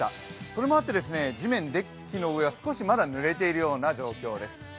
それもあって地面、デッキの上は少しまだぬれている状況です。